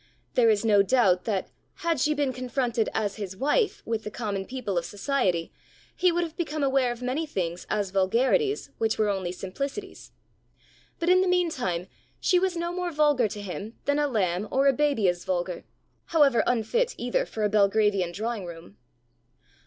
There is no doubt that, had she been confronted as his wife with the common people of society, he would have become aware of many things as vulgarities which were only simplicities; but in the meantime she was no more vulgar to him than a lamb or a baby is vulgar, however unfit either for a Belgravian drawing room.